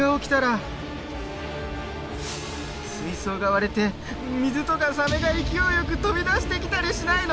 水槽が割れて水とかサメが勢いよく飛び出してきたりしないの？